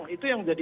itu yang jadi